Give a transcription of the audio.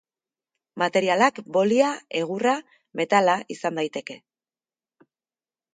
Materialak bolia, egurra, metala izan daiteke.